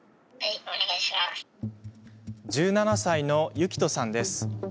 １７歳のユキトさんです。